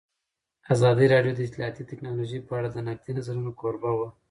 ازادي راډیو د اطلاعاتی تکنالوژي په اړه د نقدي نظرونو کوربه وه.